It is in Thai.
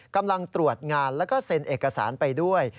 กำลังตรวจงานแล้วก็เซ็นเอกสารไปด้วย